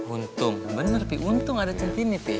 untung bener pi untung ada cinti ini pi